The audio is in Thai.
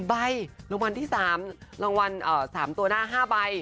ใบรางวัลที่๓รางวัล๓ตัวหน้า๕ใบ